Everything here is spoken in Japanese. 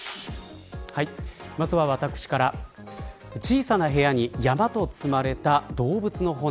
まずは私から小さな部屋に山と積まれた動物の骨。